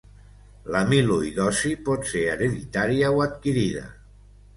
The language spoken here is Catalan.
L'amiloïdosi pot ser hereditària o adquirida.